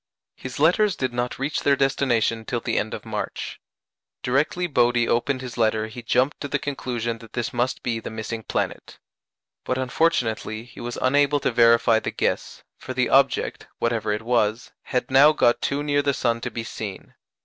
His letters did not reach their destination till the end of March. Directly Bode opened his letter he jumped to the conclusion that this must be the missing planet. But unfortunately he was unable to verify the guess, for the object, whatever it was, had now got too near the sun to be seen.